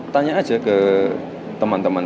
tanya aja ke teman teman